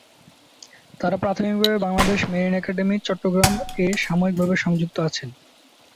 তারা প্রাথমিকভাবে Bangladesh marine academy, Chittagong এ সাময়িকভাবে সংযুক্ত আছেন।